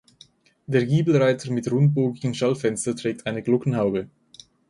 Der Giebelreiter mit rundbogigen Schallfenster trägt eine Glockenhaube.